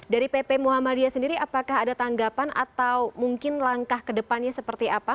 dari pp muhammadiyah sendiri apakah ada tanggapan atau mungkin langkah kedepannya seperti apa